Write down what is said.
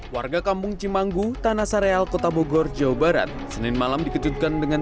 warga kampung cimanggu tanah sareal kota bogor jawa barat senin malam dikejutkan dengan